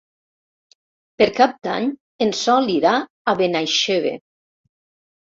Per Cap d'Any en Sol irà a Benaixeve.